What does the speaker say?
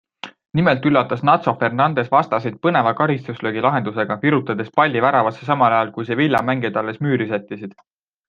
Nimelt üllatas Nacho Fernandez vastaseid põneva karistuslöögilahendusega, virutades palli väravasse samal ajal, kui Sevilla mängijad alles müüri sättisid.